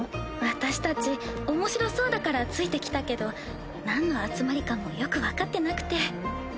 私たち面白そうだからついてきたけどなんの集まりかもよく分かってなくて。